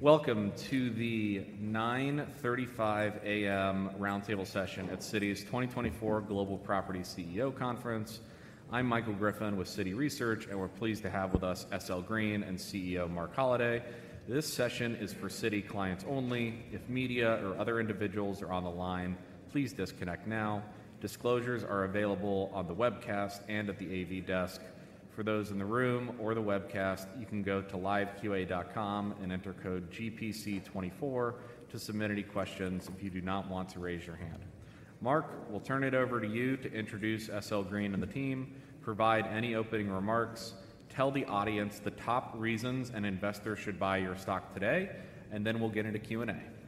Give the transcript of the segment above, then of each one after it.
Welcome to the 9:35 A.M. roundtable session at Citi's 2024 Global Property CEO Conference. I'm Michael Griffin with Citi Research, and we're pleased to have with us SL Green and CEO Marc Holliday. This session is for Citi clients only. If media or other individuals are on the line, please disconnect now. Disclosures are available on the webcast and at the A.V. desk. For those in the room or the webcast, you can go to liveqa and enter code GPC24 to submit any questions if you do not want to raise your hand. Marc, we'll turn it over to you to introduce SL Green and the team, provide any opening remarks, tell the audience the top reasons an investor should buy your stock today, and then we'll get into Q&A. Okay, sounds good. Well, hello everyone. Good morning. This is Marc Holliday, Director with Citi's Global Property CEO Conference every year. On my left I've got Matt DiLiberto, who he and I have been here a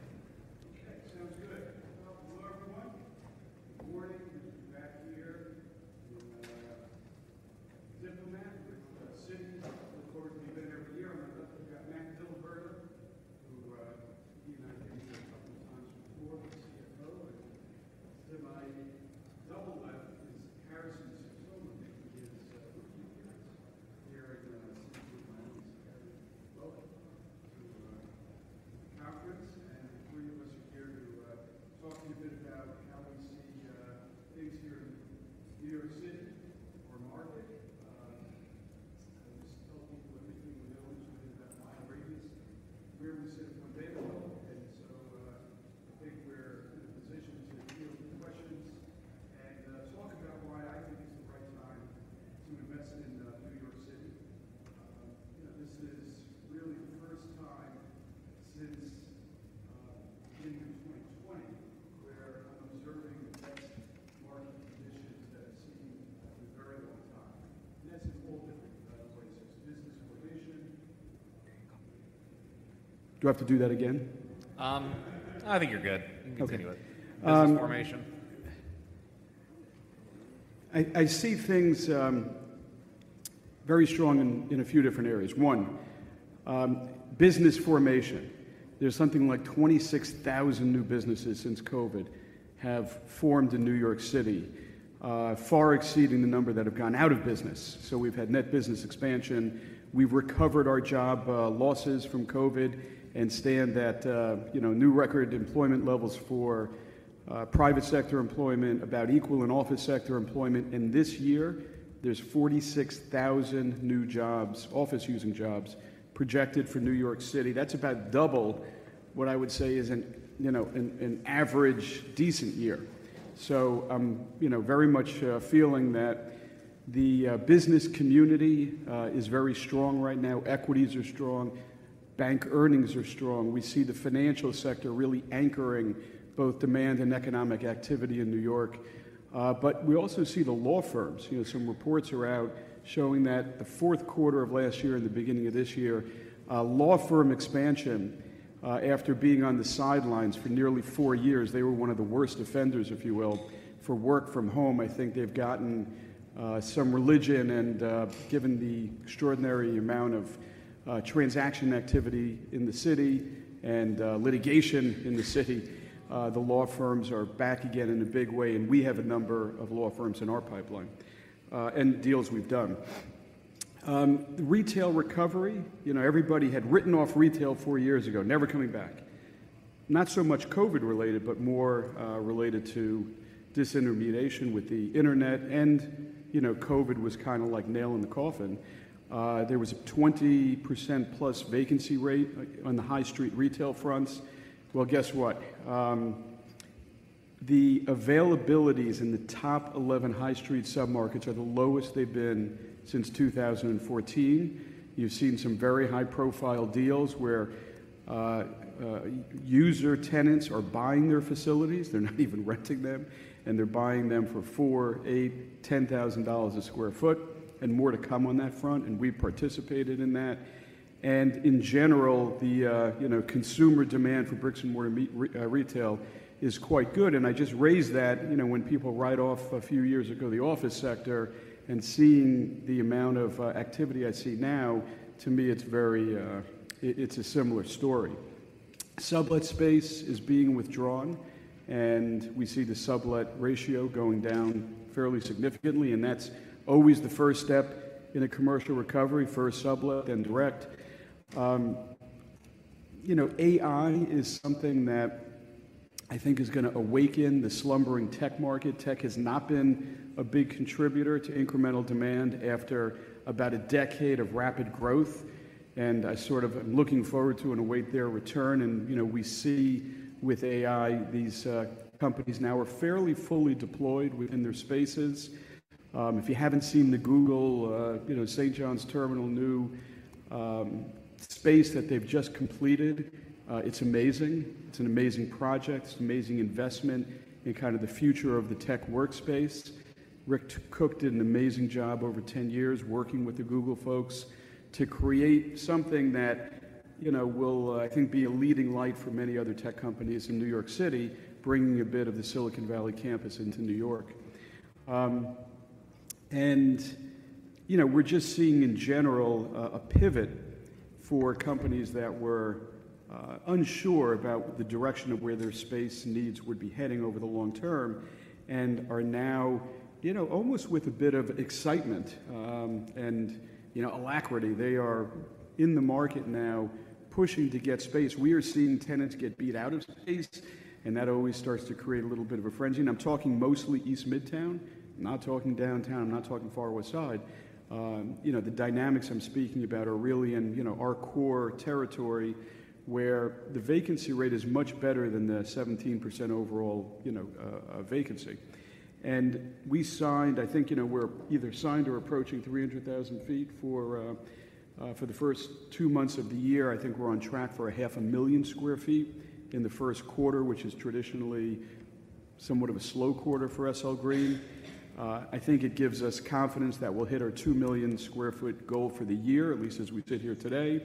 and stand at new record employment levels for private sector employment, about equal in office sector employment. This year, there's 46,000 new jobs, office-using jobs, projected for New York City. That's about double what I would say is an average decent year. So I'm very much feeling that the business community is very strong right now. Equities are strong. Bank earnings are strong. We see the financial sector really anchoring both demand and economic activity in New York. We also see the law firms. Some reports are out showing that the fourth quarter of last year and the beginning of this year, law firm expansion after being on the sidelines for nearly four years, they were one of the worst offenders, if you will, for work from home. I think they've gotten some religion. And given the extraordinary amount of transaction activity in the city and litigation in the city, the law firms are back again in a big way. And we have a number of law firms in our pipeline and deals we've done. Retail recovery. Everybody had written off retail four years ago, never coming back. Not so much COVID-related, but more related to disintermediation with the internet. And COVID was kind of like nail in the coffin. There was a 20%+ vacancy rate on the high street retail fronts. Well, guess what? The availabilities in the top 11 high street submarkets are the lowest they've been since 2014. You've seen some very high-profile deals where user tenants are buying their facilities. They're not even renting them. And they're buying them for $4,000, $8,000, $10,000 a sq ft and more to come on that front. And we've participated in that. And in general, the consumer demand for bricks and mortar retail is quite good. And I just raised that when people write off a few years ago the office sector and seeing the amount of activity I see now, to me, it's a similar story. Sublet space is being withdrawn. And we see the sublet ratio going down fairly significantly. And that's always the first step in a commercial recovery, first sublet, then direct. AI is something that I think is going to awaken the slumbering tech market. Tech has not been a big contributor to incremental demand after about a decade of rapid growth. And I sort of am looking forward to and await their return. And we see with AI, these companies now are fairly fully deployed within their spaces. If you haven't seen the Google St. John's Terminal new space that they've just completed, it's amazing. It's an amazing project. It's an amazing investment in kind of the future of the tech workspace. Rick Cook did an amazing job over 10 years working with the Google folks to create something that will, I think, be a leading light for many other tech companies in New York City, bringing a bit of the Silicon Valley campus into New York. And we're just seeing, in general, a pivot for companies that were unsure about the direction of where their space needs would be heading over the long term and are now almost with a bit of excitement and alacrity. They are in the market now pushing to get space. We are seeing tenants get beat out of space. And that always starts to create a little bit of a frenzy. And I'm talking mostly East Midtown. I'm not talking downtown. I'm not talking far west side. The dynamics I'm speaking about are really in our core territory where the vacancy rate is much better than the 17% overall vacancy. And we signed I think we're either signed or approaching 300,000 sq ft for the first two months of the year. I think we're on track for 500,000 sq ft in the first quarter, which is traditionally somewhat of a slow quarter for SL Green. I think it gives us confidence that we'll hit our 2 million sq ft goal for the year, at least as we sit here today.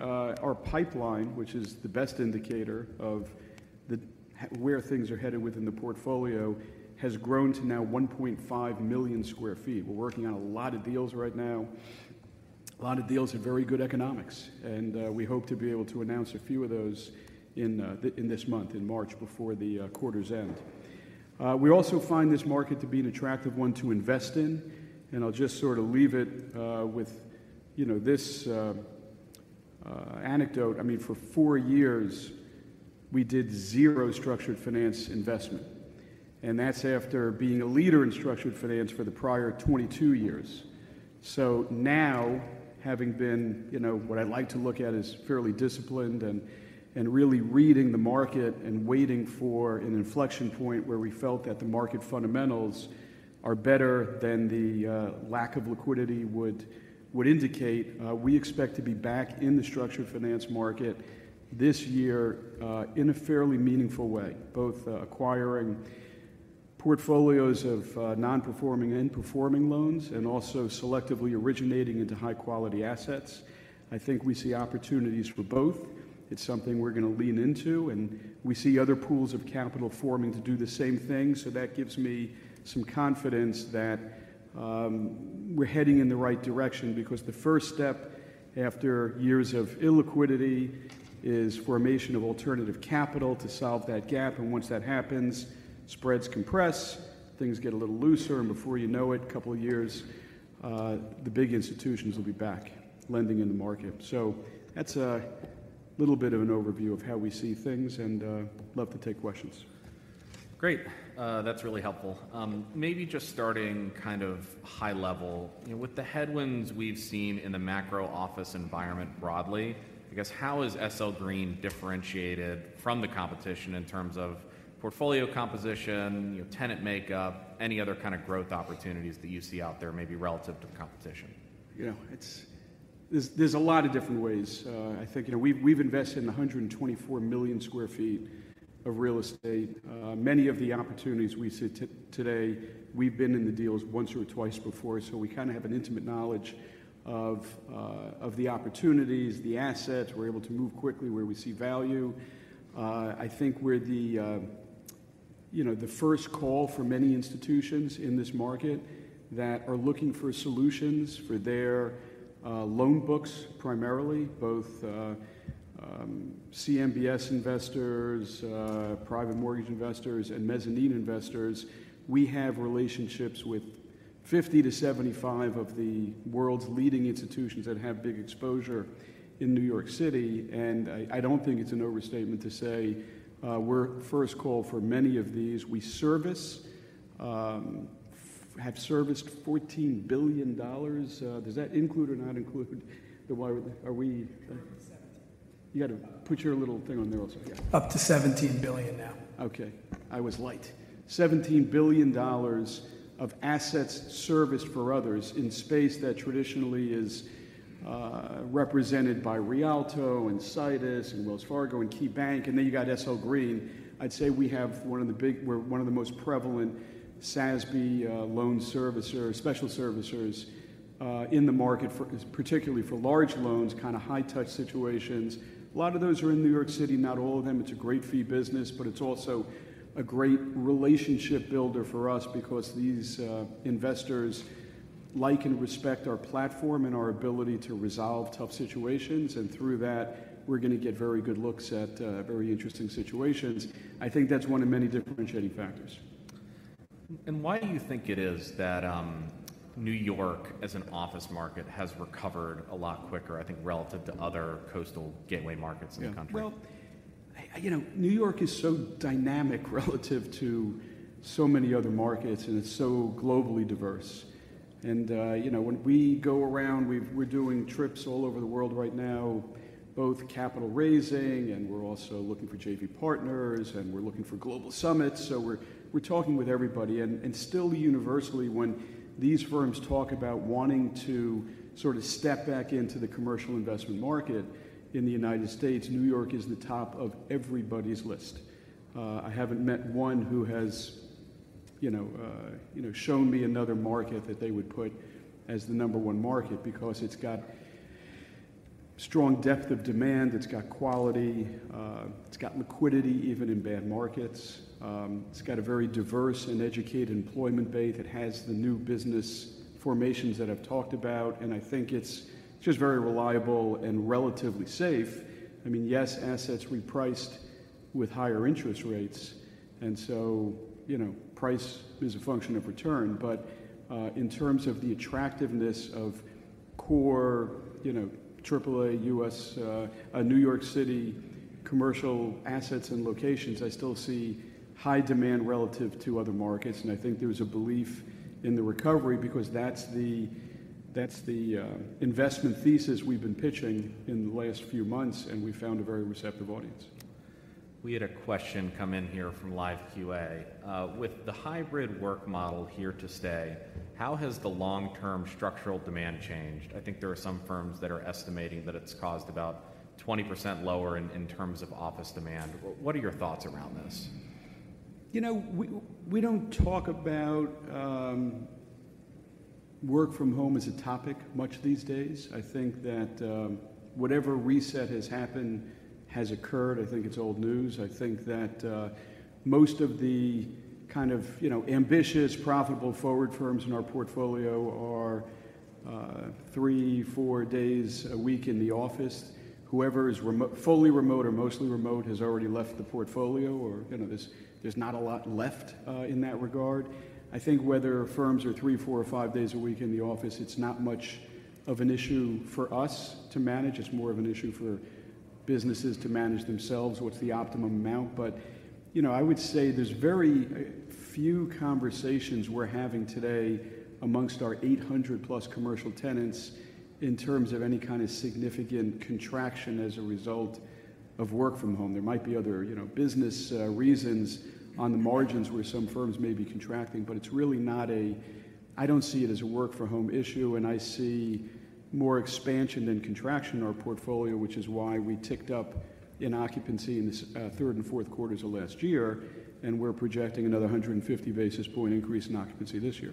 Our pipeline, which is the best indicator of where things are headed within the portfolio, has grown to now 1.5 million sq ft. We're working on a lot of deals right now, a lot of deals at very good economics. We hope to be able to announce a few of those in this month, in March, before the quarter's end. We also find this market to be an attractive one to invest in. I'll just sort of leave it with this anecdote. I mean, for four years, we did zero structured finance investment. That's after being a leader in structured finance for the prior 22 years. So now, having been what I'd like to look at as fairly disciplined and really reading the market and waiting for an inflection point where we felt that the market fundamentals are better than the lack of liquidity would indicate, we expect to be back in the structured finance market this year in a fairly meaningful way, both acquiring portfolios of non-performing and performing loans and also selectively originating into high-quality assets. I think we see opportunities for both. It's something we're going to lean into. We see other pools of capital forming to do the same thing. So that gives me some confidence that we're heading in the right direction because the first step after years of illiquidity is formation of alternative capital to solve that gap. Once that happens, spreads compress. Things get a little looser. Before you know it, a couple of years, the big institutions will be back lending in the market. That's a little bit of an overview of how we see things. Love to take questions. Great. That's really helpful. Maybe just starting kind of high level, with the headwinds we've seen in the macro office environment broadly, I guess, how is SL Green differentiated from the competition in terms of portfolio composition, tenant makeup, any other kind of growth opportunities that you see out there maybe relative to the competition? There's a lot of different ways. I think we've invested in 124 million sq ft of real estate. Many of the opportunities we see today, we've been in the deals once or twice before. So we kind of have an intimate knowledge of the opportunities, the assets. We're able to move quickly where we see value. I think we're the first call for many institutions in this market that are looking for solutions for their loan books primarily, both CMBS investors, private mortgage investors, and mezzanine investors. We have relationships with 50-75 of the world's leading institutions that have big exposure in New York City. And I don't think it's an overstatement to say we're first call for many of these. We have serviced $14 billion. Does that include or not include the why are we? Up to 17. You got to put your little thing on there also. Yeah. Up to $17 billion now. Okay. I was light. $17 billion of assets serviced for others in space that traditionally is represented by Rialto and Situs and Wells Fargo and KeyBank. And then you got SL Green. I'd say we have one of the big we're one of the most prevalent SASB loan special servicers in the market, particularly for large loans, kind of high-touch situations. A lot of those are in New York City, not all of them. It's a great fee business. But it's also a great relationship builder for us because these investors like and respect our platform and our ability to resolve tough situations. And through that, we're going to get very good looks at very interesting situations. I think that's one of many differentiating factors. Why do you think it is that New York, as an office market, has recovered a lot quicker, I think, relative to other coastal gateway markets in the country? Yeah. Well, New York is so dynamic relative to so many other markets. And it's so globally diverse. And when we go around, we're doing trips all over the world right now, both capital raising. And we're also looking for JV partners. And we're looking for global summits. So we're talking with everybody. And still, universally, when these firms talk about wanting to sort of step back into the commercial investment market in the United States, New York is the top of everybody's list. I haven't met one who has shown me another market that they would put as the number one market because it's got strong depth of demand. It's got quality. It's got liquidity even in bad markets. It's got a very diverse and educated employment base. It has the new business formations that I've talked about. And I think it's just very reliable and relatively safe. I mean, yes, assets repriced with higher interest rates. And so price is a function of return. But in terms of the attractiveness of core AAA U.S. New York City commercial assets and locations, I still see high demand relative to other markets. And I think there's a belief in the recovery because that's the investment thesis we've been pitching in the last few months. And we found a very receptive audience. We had a question come in here from Live QA. With the hybrid work model here to stay, how has the long-term structural demand changed? I think there are some firms that are estimating that it's caused about 20% lower in terms of office demand. What are your thoughts around this? We don't talk about work from home as a topic much these days. I think that whatever reset has happened has occurred. I think it's old news. I think that most of the kind of ambitious, profitable forward firms in our portfolio are 3-4 days a week in the office. Whoever is fully remote or mostly remote has already left the portfolio. Or there's not a lot left in that regard. I think whether firms are 3-4 or 5 days a week in the office, it's not much of an issue for us to manage. It's more of an issue for businesses to manage themselves, what's the optimum amount. But I would say there's very few conversations we're having today amongst our 800-plus commercial tenants in terms of any kind of significant contraction as a result of work from home. There might be other business reasons on the margins where some firms may be contracting. But it's really not. I don't see it as a work from home issue. And I see more expansion than contraction in our portfolio, which is why we ticked up in occupancy in the third and fourth quarters of last year. And we're projecting another 150 basis point increase in occupancy this year.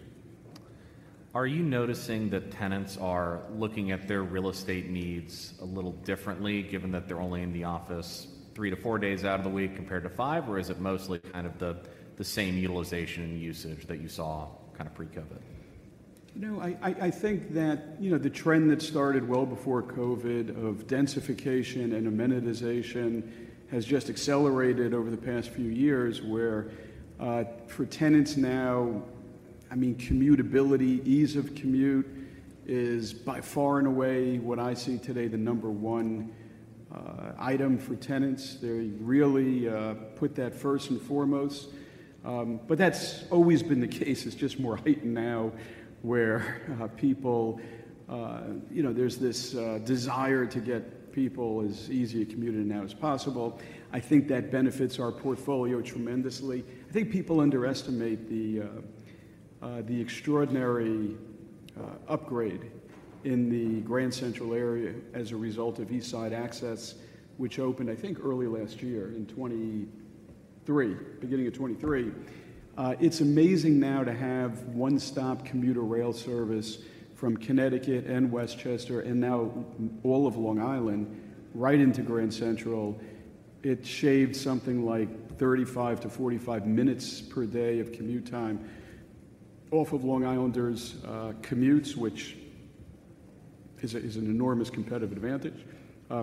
Are you noticing that tenants are looking at their real estate needs a little differently given that they're only in the office 3-4 days out of the week compared to five? Or is it mostly kind of the same utilization and usage that you saw kind of pre-COVID? No. I think that the trend that started well before COVID of densification and amenitization has just accelerated over the past few years where for tenants now, I mean, commutability, ease of commute is by far and away, what I see today, the number one item for tenants. They really put that first and foremost. But that's always been the case. It's just more heightened now where people, there's this desire to get people as easily commuted now as possible. I think that benefits our portfolio tremendously. I think people underestimate the extraordinary upgrade in the Grand Central area as a result of East Side Access, which opened, I think, early last year in 2023, beginning of 2023. It's amazing now to have one-stop commuter rail service from Connecticut and Westchester and now all of Long Island right into Grand Central. It shaved something like 35-45 minutes per day of commute time off of Long Islanders' commutes, which is an enormous competitive advantage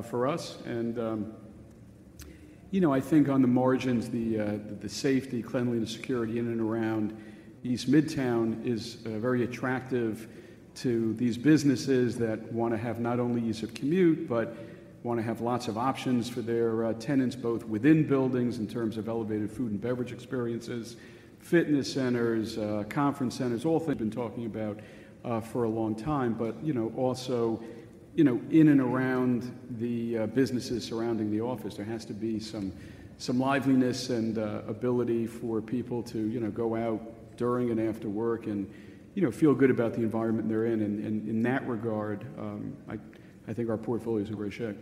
for us. I think on the margins, the safety, cleanliness, security in and around East Midtown is very attractive to these businesses that want to have not only ease of commute but want to have lots of options for their tenants, both within buildings in terms of elevated food and beverage experiences, fitness centers, conference centers, all been talking about for a long time. Also in and around the businesses surrounding the office, there has to be some liveliness and ability for people to go out during and after work and feel good about the environment they're in. In that regard, I think our portfolio is in great shape.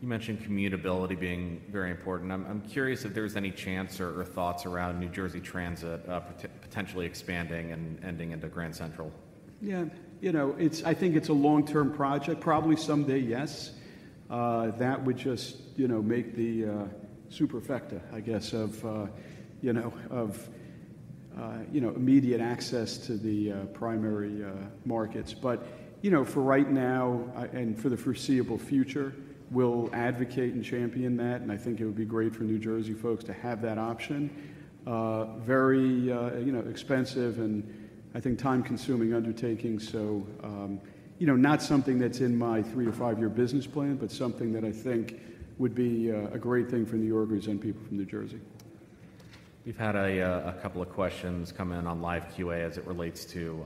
You mentioned commutability being very important. I'm curious if there's any chance or thoughts around New Jersey Transit potentially expanding and ending into Grand Central? Yeah. I think it's a long-term project. Probably someday, yes. That would just make the superfecta, I guess, of immediate access to the primary markets. But for right now and for the foreseeable future, we'll advocate and champion that. And I think it would be great for New Jersey folks to have that option. Very expensive and, I think, time-consuming undertaking. So not something that's in my 3-5-year business plan but something that I think would be a great thing for New Yorkers and people from New Jersey. We've had a couple of questions come in on Live QA as it relates to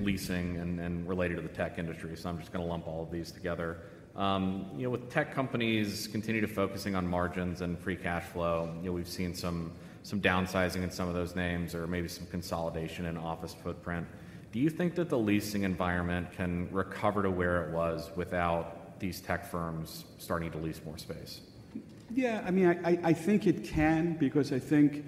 leasing and related to the tech industry. So I'm just going to lump all of these together. With tech companies continuing to focus on margins and free cash flow, we've seen some downsizing in some of those names or maybe some consolidation in office footprint. Do you think that the leasing environment can recover to where it was without these tech firms starting to lease more space? Yeah. I mean, I think it can because I think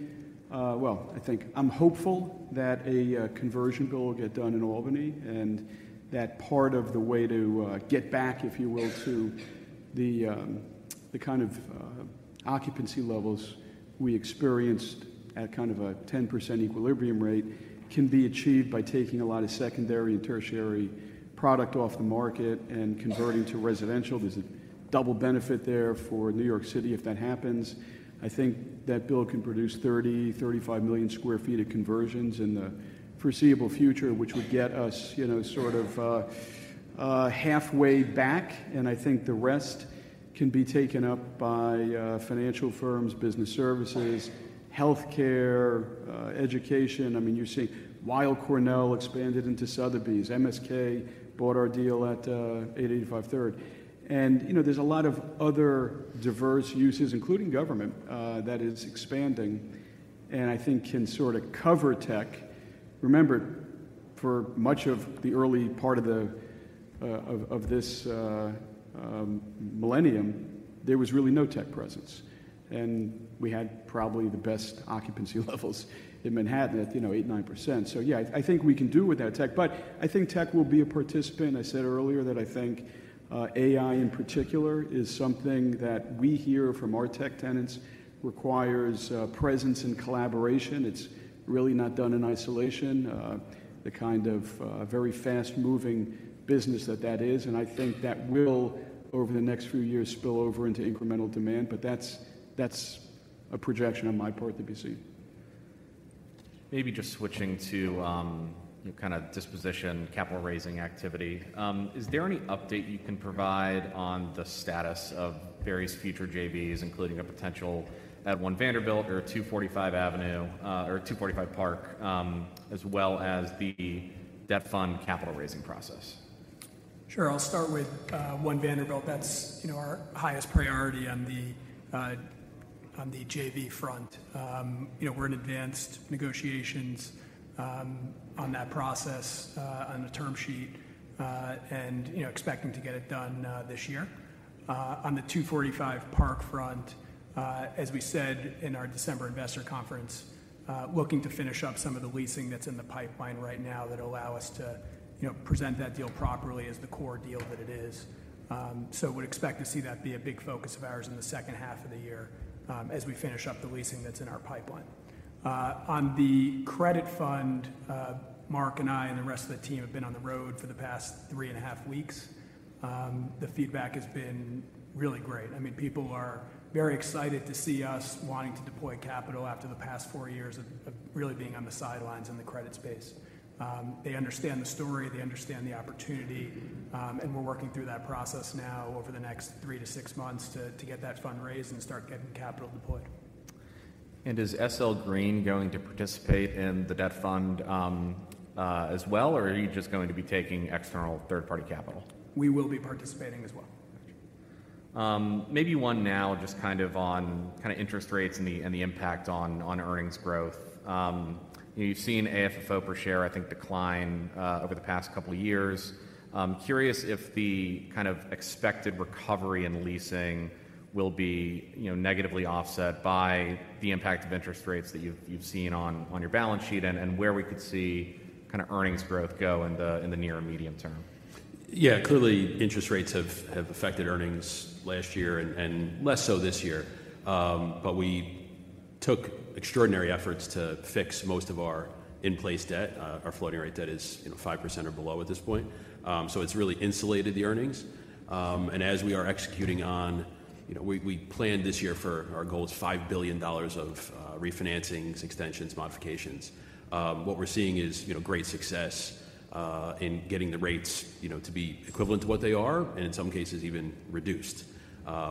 well, I think I'm hopeful that a conversion bill will get done in Albany and that part of the way to get back, if you will, to the kind of occupancy levels we experienced at kind of a 10% equilibrium rate can be achieved by taking a lot of secondary and tertiary product off the market and converting to residential. There's a double benefit there for New York City if that happens. I think that bill can produce 30-35 million sq ft of conversions in the foreseeable future, which would get us sort of halfway back. And I think the rest can be taken up by financial firms, business services, health care, education. I mean, you're seeing Weill Cornell expanded into Sotheby's. MSK bought our deal at 885 Third Avenue. And there's a lot of other diverse uses, including government, that is expanding and I think can sort of cover tech. Remember, for much of the early part of this millennium, there was really no tech presence. And we had probably the best occupancy levels in Manhattan, 8%-9%. So yeah, I think we can do without tech. But I think tech will be a participant. I said earlier that I think AI, in particular, is something that we hear from our tech tenants requires presence and collaboration. It's really not done in isolation, the kind of very fast-moving business that that is. And I think that will, over the next few years, spill over into incremental demand. But that's a projection on my part that we see. Maybe just switching to kind of disposition, capital raising activity. Is there any update you can provide on the status of various future JVs, including a potential at One Vanderbilt or 245 Park Avenue, as well as the debt fund capital raising process? Sure. I'll start with One Vanderbilt. That's our highest priority on the JV front. We're in advanced negotiations on that process, on the term sheet, and expecting to get it done this year. On the 245 Park front, as we said in our December investor conference, looking to finish up some of the leasing that's in the pipeline right now that allow us to present that deal properly as the core deal that it is. So I would expect to see that be a big focus of ours in the second half of the year as we finish up the leasing that's in our pipeline. On the credit fund, Marc and I and the rest of the team have been on the road for the past 3.5 weeks. The feedback has been really great. I mean, people are very excited to see us wanting to deploy capital after the past 4 years of really being on the sidelines in the credit space. They understand the story. They understand the opportunity. And we're working through that process now over the next 3-6 months to get that fund raised and start getting capital deployed. Is SL Green going to participate in the debt fund as well? Or are you just going to be taking external third-party capital? We will be participating as well. Gotcha. Maybe one now, just kind of on kind of interest rates and the impact on earnings growth. You've seen AFFO per share, I think, decline over the past couple of years. Curious if the kind of expected recovery in leasing will be negatively offset by the impact of interest rates that you've seen on your balance sheet and where we could see kind of earnings growth go in the near and medium term? Yeah. Clearly, interest rates have affected earnings last year and less so this year. But we took extraordinary efforts to fix most of our in-place debt. Our floating rate debt is 5% or below at this point. So it's really insulated the earnings. And as we are executing on we planned this year for our goal is $5 billion of refinancings, extensions, modifications. What we're seeing is great success in getting the rates to be equivalent to what they are and, in some cases, even reduced,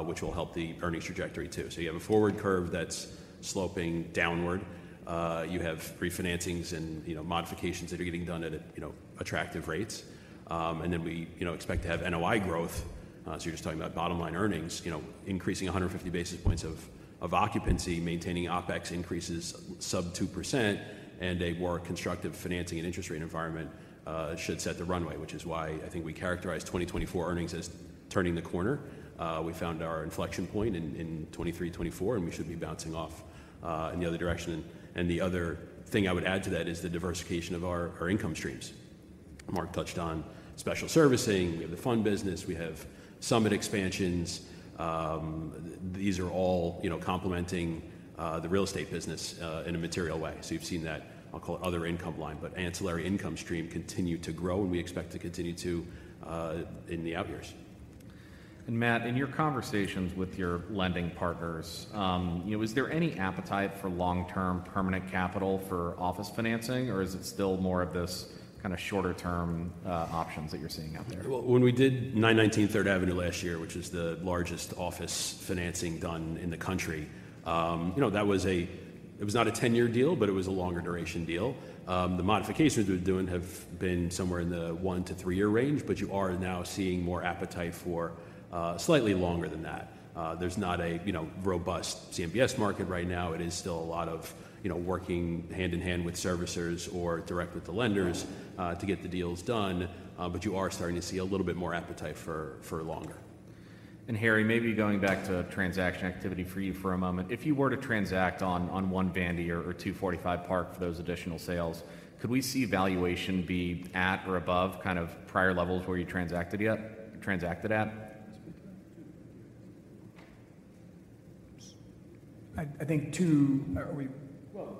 which will help the earnings trajectory too. So you have a forward curve that's sloping downward. You have refinancings and modifications that are getting done at attractive rates. And then we expect to have NOI growth. So you're just talking about bottom line earnings, increasing 150 basis points of occupancy, maintaining OpEx increases sub 2%, and a more constructive financing and interest rate environment should set the runway, which is why I think we characterize 2024 earnings as turning the corner. We found our inflection point in 2023, 2024. And we should be bouncing off in the other direction. And the other thing I would add to that is the diversification of our income streams. Mark touched on special servicing. We have the fund business. We have Summit expansions. These are all complementing the real estate business in a material way. So you've seen that, I'll call it, other income line. But ancillary income stream continue to grow. And we expect to continue to in the out years. Matt, in your conversations with your lending partners, is there any appetite for long-term permanent capital for office financing? Or is it still more of this kind of shorter-term options that you're seeing out there? Well, when we did 919 Third Avenue last year, which is the largest office financing done in the country, that was not a 10-year deal. But it was a longer duration deal. The modifications we've been doing have been somewhere in the 1-3-year range. But you are now seeing more appetite for slightly longer than that. There's not a robust CMBS market right now. It is still a lot of working hand in hand with servicers or direct with the lenders to get the deals done. But you are starting to see a little bit more appetite for longer. Harrison, maybe going back to transaction activity for you for a moment. If you were to transact on One Vanderbilt or 245 Park Avenue for those additional sales, could we see valuation be at or above kind of prior levels where you transacted at? Oops. I think two are we? Well,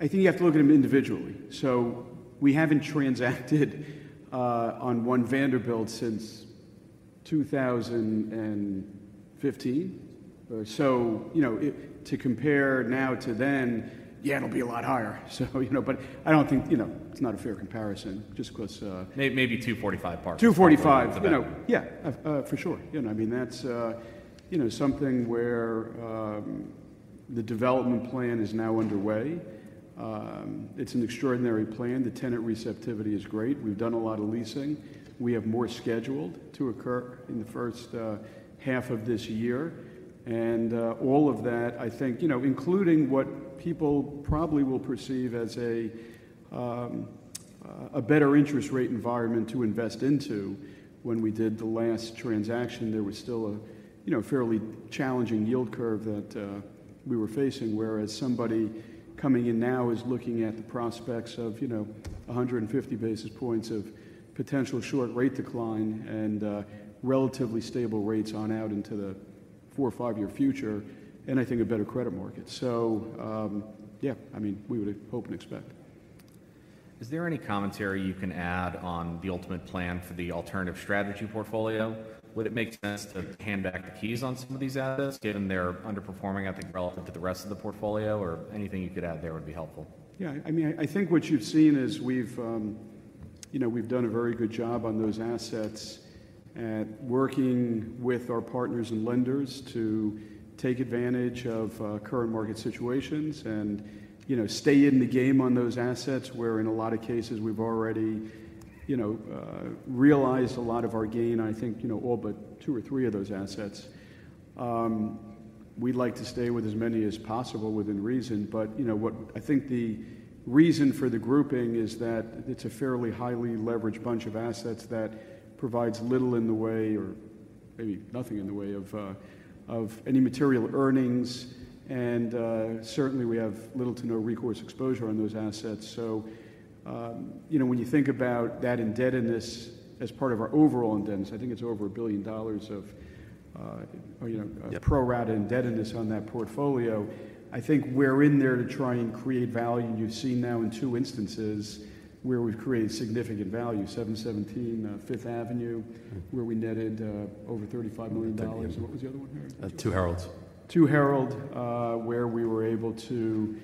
I think you have to look at them individually. So we haven't transacted on One Vanderbilt since 2015. So to compare now to then, yeah, it'll be a lot higher. But I don't think it's not a fair comparison just because. Maybe 245 Park. Yeah. For sure. I mean, that's something where the development plan is now underway. It's an extraordinary plan. The tenant receptivity is great. We've done a lot of leasing. We have more scheduled to occur in the first half of this year. And all of that, I think, including what people probably will perceive as a better interest rate environment to invest into, when we did the last transaction, there was still a fairly challenging yield curve that we were facing. Whereas somebody coming in now is looking at the prospects of 150 basis points of potential short-rate decline and relatively stable rates on out into the four or five-year future and, I think, a better credit market. So yeah, I mean, we would hope and expect. Is there any commentary you can add on the ultimate plan for the alternative strategy portfolio? Would it make sense to hand back the keys on some of these assets given they're underperforming, I think, relative to the rest of the portfolio? Or anything you could add there would be helpful. Yeah. I mean, I think what you've seen is we've done a very good job on those assets at working with our partners and lenders to take advantage of current market situations and stay in the game on those assets where, in a lot of cases, we've already realized a lot of our gain, I think, all but two or three of those assets. We'd like to stay with as many as possible within reason. But I think the reason for the grouping is that it's a fairly highly leveraged bunch of assets that provides little in the way or maybe nothing in the way of any material earnings. And certainly, we have little to no recourse exposure on those assets. So when you think about that indebtedness as part of our overall indebtedness, I think it's over $1 billion of pro-rata indebtedness on that portfolio. I think we're in there to try and create value. You've seen now in two instances where we've created significant value, 717 Fifth Avenue, where we netted over $35 million. What was the other one, Harry? 2 Harolds. 2 Herald Square, where we were able to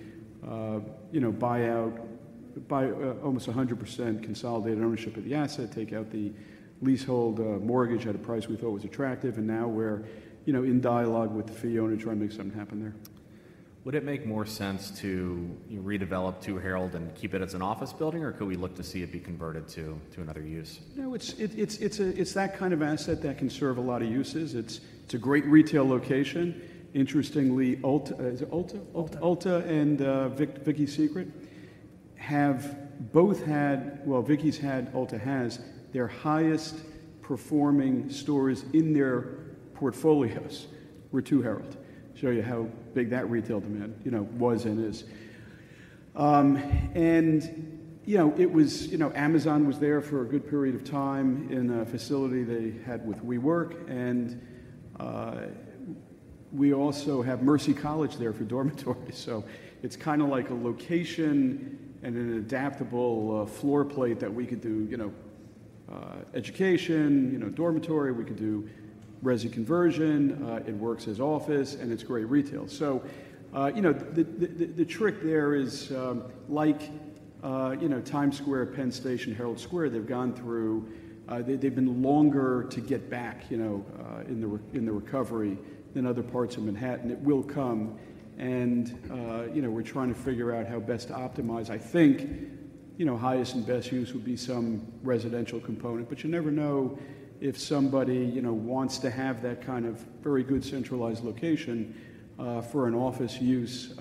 buy out almost 100% consolidated ownership of the asset, take out the leasehold mortgage at a price we thought was attractive, and now we're in dialogue with the fee owner to try and make something happen there. Would it make more sense to redevelop 2 Herald Square and keep it as an office building? Or could we look to see it be converted to another use? No. It's that kind of asset that can serve a lot of uses. It's a great retail location. Interestingly, is it Ulta? Ulta. Ulta and Victoria's Secret have both had well, Victoria's had, Ulta has, their highest performing stores in their portfolios were 2 Herald Square. Show you how big that retail demand was and is. And it was Amazon was there for a good period of time in a facility they had with WeWork. And we also have Mercy College there for dormitories. So it's kind of like a location and an adaptable floor plate that we could do education, dormitory. We could do resi conversion. It works as office. And it's great retail. So the trick there is, like Times Square, Penn Station, Herald Square, they've gone through they've been longer to get back in the recovery than other parts of Manhattan. It will come. And we're trying to figure out how best to optimize. I think highest and best use would be some residential component. But you never know if somebody wants to have that kind of very good centralized location for an office use.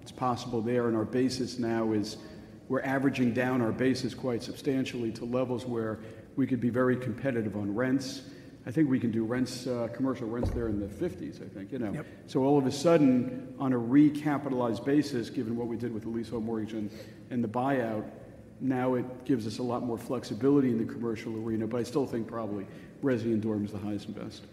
It's possible there. And our basis now is we're averaging down our basis quite substantially to levels where we could be very competitive on rents. I think we can do commercial rents there in the $50s, I think. So all of a sudden, on a recapitalized basis, given what we did with the leasehold mortgage and the buyout, now it gives us a lot more flexibility in the commercial arena. But I still think probably resi and dorm is the highest and best.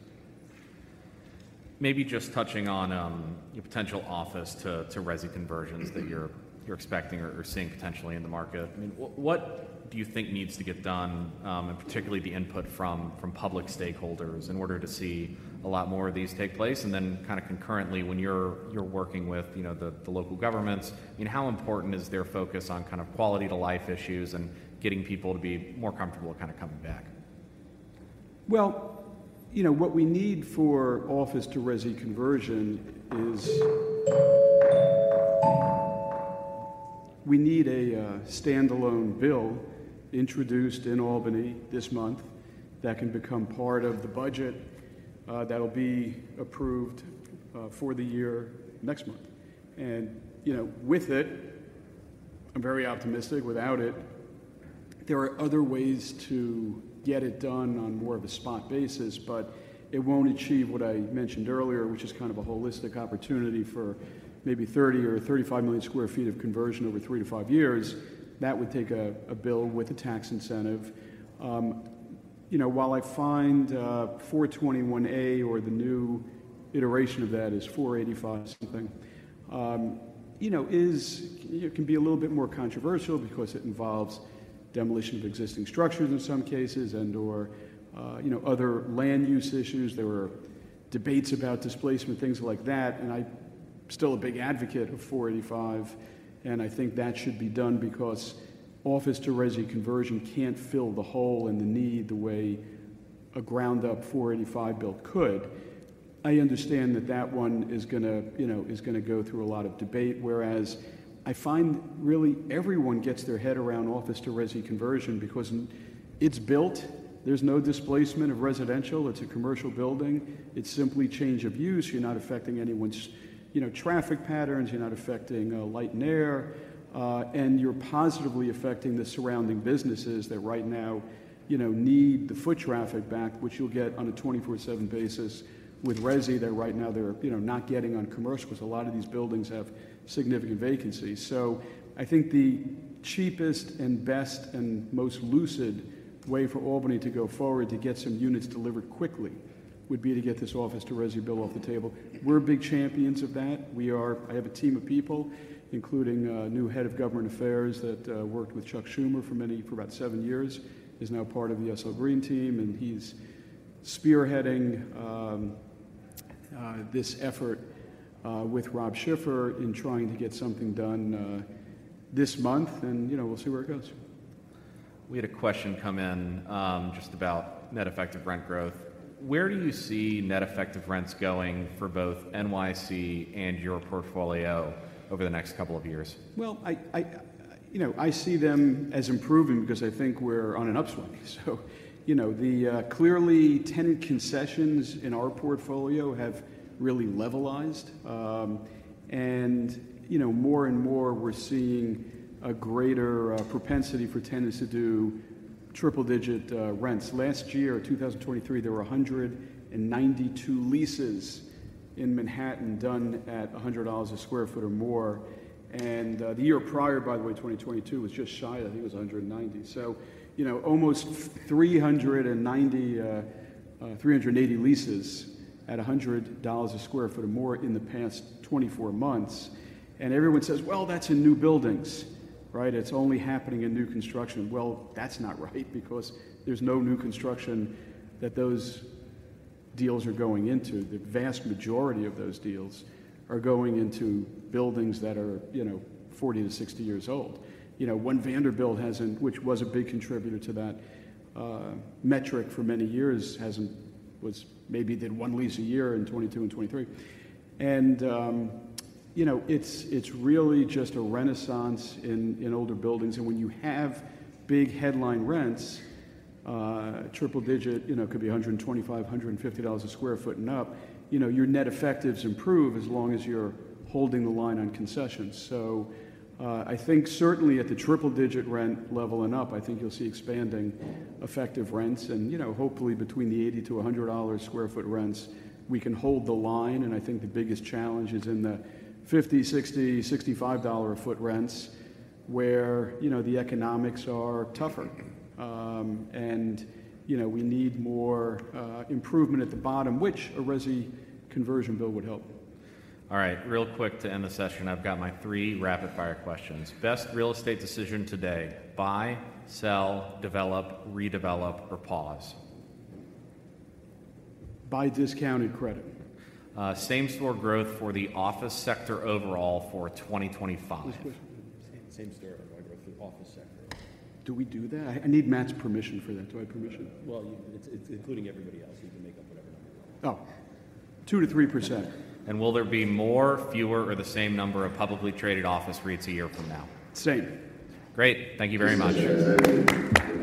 Maybe just touching on potential office to resi conversions that you're expecting or seeing potentially in the market. I mean, what do you think needs to get done, and particularly the input from public stakeholders, in order to see a lot more of these take place? Then kind of concurrently, when you're working with the local governments, I mean, how important is their focus on kind of quality-of-life issues and getting people to be more comfortable kind of coming back? Well, what we need for office to resi conversion is a standalone bill introduced in Albany this month that can become part of the budget that'll be approved for the year next month. And with it, I'm very optimistic. Without it, there are other ways to get it done on more of a spot basis. But it won't achieve what I mentioned earlier, which is kind of a holistic opportunity for maybe 30 or 35 million sq ft of conversion over 3-5 years. That would take a bill with a tax incentive. While I find 421-a or the new iteration of that is 485-x, it can be a little bit more controversial because it involves demolition of existing structures in some cases and/or other land use issues. There were debates about displacement, things like that. And I'm still a big advocate of 485-x. I think that should be done because office to resi conversion can't fill the hole and the need the way a ground-up 485-x bill could. I understand that that one is going to go through a lot of debate. Whereas I find, really, everyone gets their head around office to resi conversion because it's built. There's no displacement of residential. It's a commercial building. It's simply change of use. You're not affecting anyone's traffic patterns. You're not affecting light and air. And you're positively affecting the surrounding businesses that right now need the foot traffic back, which you'll get on a 24/7 basis with resi that right now they're not getting on commercial because a lot of these buildings have significant vacancies. So I think the cheapest and best and most lucid way for Albany to go forward to get some units delivered quickly would be to get this office to resi bill off the table. We're big champions of that. I have a team of people, including a new head of government affairs that worked with Chuck Schumer for about seven years, is now part of the SL Green team. And he's spearheading this effort with Rob Schiffer in trying to get something done this month. And we'll see where it goes. We had a question come in just about Net Effective Rent growth. Where do you see Net Effective Rents going for both NYC and your portfolio over the next couple of years? Well, I see them as improving because I think we're on an upswing. So clearly, tenant concessions in our portfolio have really levelized. And more and more, we're seeing a greater propensity for tenants to do triple-digit rents. Last year, 2023, there were 192 leases in Manhattan done at $100/sq ft or more. And the year prior, by the way, 2022, was just shy. I think it was 190. So almost 380 leases at $100/sq ft or more in the past 24 months. And everyone says, "Well, that's in new buildings, right? It's only happening in new construction." Well, that's not right because there's no new construction that those deals are going into. The vast majority of those deals are going into buildings that are 40-60 years old. One Vanderbilt hasn't, which was a big contributor to that metric for many years, [but] maybe did 1 lease a year in 2022 and 2023. It's really just a renaissance in older buildings. When you have big headline rents, triple-digit, it could be $125, $150 a sq ft and up, your net effectives improve as long as you're holding the line on concessions. So I think, certainly, at the triple-digit rent level and up, I think you'll see expanding effective rents. Hopefully, between the $80-$100 sq ft rents, we can hold the line. I think the biggest challenge is in the $50, $60, $65-a-foot rents where the economics are tougher. We need more improvement at the bottom, which a resi conversion bill would help. All right. Real quick to end the session. I've got my three rapid-fire questions. Best real estate decision today: buy, sell, develop, redevelop, or pause? Buy discounted credit. Same-store growth for the office sector overall for 2025? Same store overall growth for the office sector. Do we do that? I need Matt's permission for that. Do I have permission? Well, including everybody else. You can make up whatever number you want. Oh. 2%-3%. Will there be more, fewer, or the same number of publicly traded office REITs a year from now? Same. Great. Thank you very much.